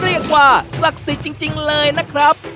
เรียกว่าศักดิ์สิทธิ์จริงเลยนะครับ